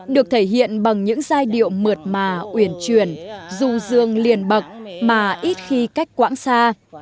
được thể hiện bằng những giai điệu mượt mà uyển truyền du dương liền bậc mà ít khi cách quãng xa